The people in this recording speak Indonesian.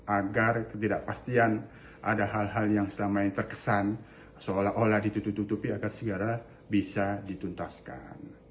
agar ketidakpastian ada hal hal yang selama ini terkesan seolah olah ditutup tutupi agar segera bisa dituntaskan